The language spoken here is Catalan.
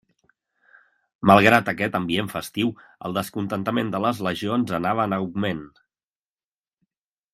Malgrat aquest ambient festiu, el descontentament de les legions anava en augment.